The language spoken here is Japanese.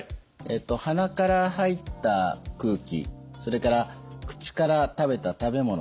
鼻から入った空気それから口から食べた食べ物